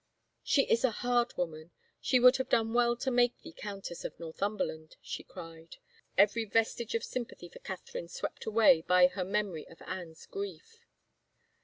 " She is a hard woman — she would have done well to make thee Countess of Northtunberland I " she cried, every vestige of sympathy for Catherine swept away by her memory of Anne's grief.